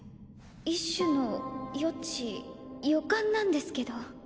一種の予知予感なんですけど。